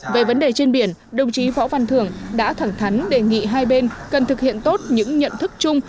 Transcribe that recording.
về vấn đề trên biển đồng chí võ văn thường đã thẳng thắn đề nghị hai bên cần thực hiện tốt những nhận thức chung